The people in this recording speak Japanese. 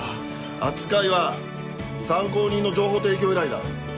扱いは参考人の情報提供依頼だ。